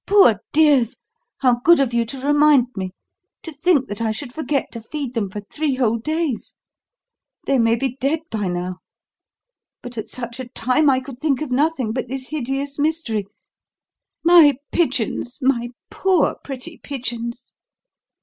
"Poor dears! How good of you to remind me. To think that I should forget to feed them for three whole days. They may be dead by now. But at such a time I could think of nothing but this hideous mystery. My pigeons my poor, pretty pigeons!"